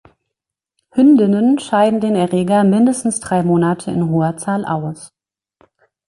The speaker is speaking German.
Hündinnen scheiden den Erreger mindestens drei Monate in hoher Zahl aus.